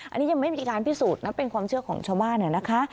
อันนี้ยังไม่มีการพิสูจน์นะเป็นความเชื่อของชาวบ้านนะคะ